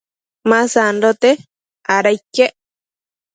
ma sandote, ada iquec